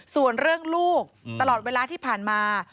ส่วนเรื่องลูกตลอดเวลาที่ผ่านมา